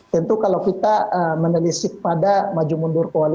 tentu kalau kita menelisih pada maju mundur